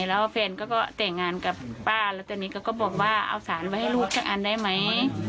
แล้วแฟนก็แต่งงานกับป้าแล้วตอนนี้ก็บอกว่าเอาสารไว้ให้ลูกสักอันได้ไหม